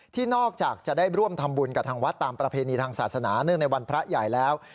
นอกจากจะได้ร่วมทำบุญกับทางวัดตามประเพณีทางศาสนาเนื่องในวันพระใหญ่แล้ว